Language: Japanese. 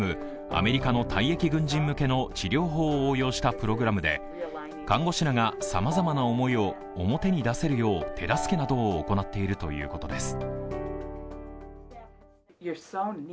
アメリカの退役軍人向けの治療法を応用したプログラムで看護師らがさまざまな思いを表に出せるよう手助けなどを行っているということです。